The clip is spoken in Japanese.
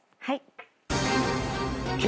はい！